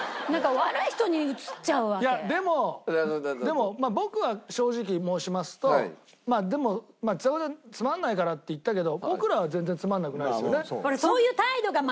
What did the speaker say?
でも僕は正直申しますとちさ子ちゃんつまんないからって言ったけど僕らは全然つまらなくないですよね。